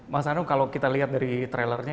mas anung kalau kita lihat dari trailernya